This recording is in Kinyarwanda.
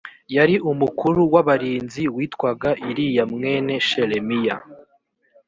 yari umukuru w abarinzi witwaga iriya mwene shelemiya